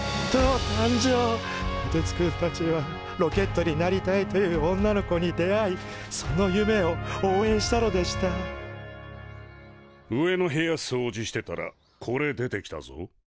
こてつくんたちはロケットになりたいという女の子に出会いその夢をおうえんしたのでした上の部屋そうじしてたらこれ出てきたぞ。